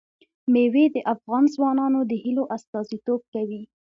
مېوې د افغان ځوانانو د هیلو استازیتوب کوي.